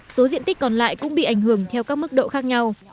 số diện tích còn lại cũng bị ảnh hưởng theo các mức độ khác nhau